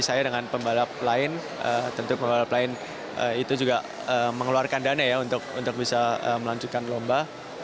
jadi saya dengan pembalap lain tentu pembalap lain itu juga mengeluarkan dana ya untuk bisa melanjutkan lomba